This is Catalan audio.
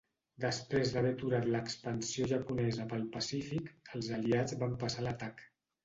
Després d'haver aturat l'expansió japonesa pel Pacífic, els aliats van passar a l'atac.